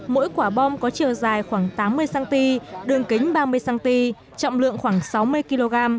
mỗi quả bom có chiều dài khoảng tám mươi cm đường kính ba mươi cm trọng lượng khoảng sáu mươi kg